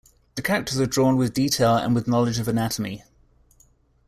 The characters are drawn with detail and with knowledge of anatomy.